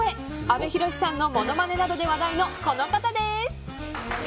阿部寛さんのものまねなどで話題のこの方です。